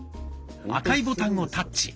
赤いボタンをタッチ。